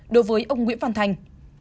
đối với ông nguyễn văn thanh